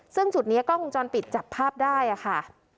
ซึ่งจุดนี้กล้องวงจรปิดจับภาพได้ค่ะ